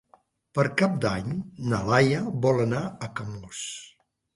Per Cap d'Any na Laia vol anar a Camós.